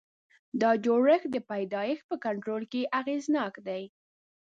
دا جوړښت د پیدایښت په کنټرول کې اغېزناک دی.